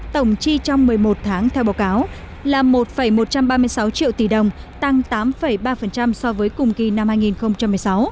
tổng chi trong một mươi một tháng theo báo cáo là một một trăm ba mươi sáu triệu tỷ đồng tăng tám ba so với cùng kỳ năm hai nghìn một mươi sáu